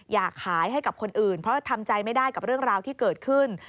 อยากขายให้กับคนอื่นเพราะทำใจไม่ได้กับเรื่องราวที่เกิดขึ้น